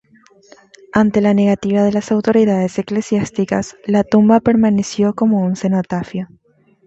Ante la negativa de las autoridades eclesiásticas, la tumba permaneció como un cenotafio.